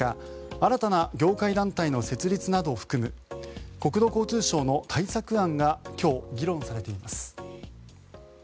新たな業界団体の設立などを含む国土交通省の対策案が今日、議論されています。